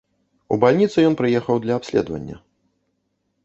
У бальніцу ён прыехаў для абследавання.